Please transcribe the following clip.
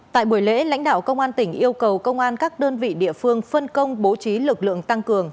tại buổi lễ lãnh đạo công an tỉnh yêu cầu công an các đơn vị địa phương phân công bố trí lực lượng tăng cường